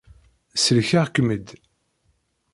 Selkeɣ-kem-id.